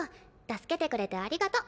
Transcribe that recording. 助けてくれてありがと。